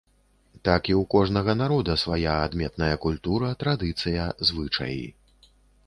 Так і ў кожнага народа свая адметная культура, традыцыя, звычаі.